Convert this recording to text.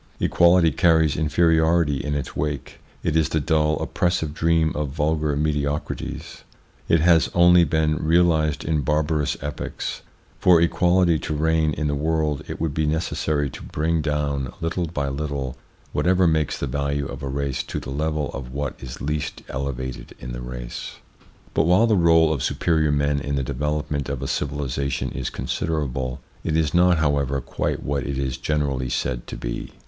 Equality carries inferiority in its wake ; it is the dull, oppressive dream of vulgar mediocrities. It has only been realised in barbarous epochs. For equality to reign in the world, it would be necessary to bring down, ITS INFLUENCE ON THEIR EVOLUTION 201 little by little, whatever makes the value of a race to the level of what is least elevated in the race. But while the role of superior men in the develop ment of a civilisation is considerable, it is not, how ever, quite what it is generally said to be.